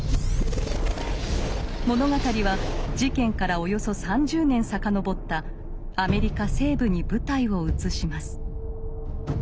物語は事件からおよそ３０年遡ったアメリカ西部に舞台を移します。